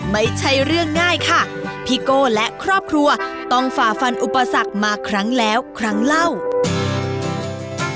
ไม่ใช่เรื่องง่ายค่ะพี่โก้และครอบครัวต้องฝ่าฟันอุปสรรคมาครั้งแล้วครั้งเล่า